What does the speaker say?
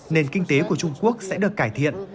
nền kinh tế của trung quốc sẽ được cải thiện